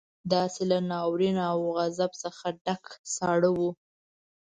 داسې له ناورين او غضب څخه ډک ساړه وو.